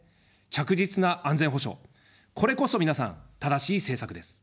着実な安全保障、これこそ皆さん、正しい政策です。